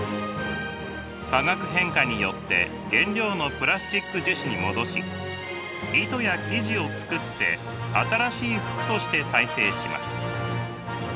化学変化によって原料のプラスチック樹脂に戻し糸や生地を作って新しい服として再生します。